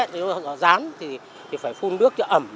dán thì phải phun nước cho ẩm